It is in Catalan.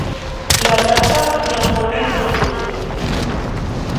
La tracta d'una forma inconcebible.